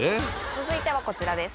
続いてはこちらです。